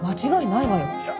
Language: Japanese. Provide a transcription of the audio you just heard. いや。